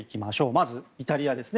まずイタリアですね。